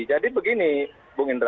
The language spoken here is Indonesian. jadi begini bung indra